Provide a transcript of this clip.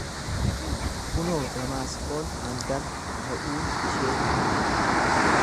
Kunoo, Damaasqoon mandar ta'uun ishee ni hafa.